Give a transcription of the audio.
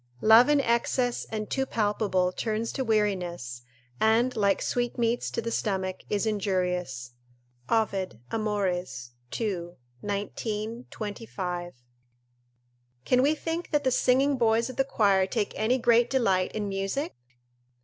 ["Love in excess and too palpable turns to weariness, and, like sweetmeats to the stomach, is injurious." Ovid, Amoy., ii. 19, 25.] Can we think that the singing boys of the choir take any great delight in music?